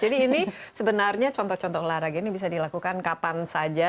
jadi ini sebenarnya contoh contoh olahraga ini bisa dilakukan kapan saja